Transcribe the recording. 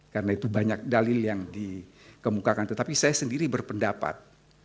karena itu banyak dalil yang dikemukakan tetapi saya sendiri berpendapat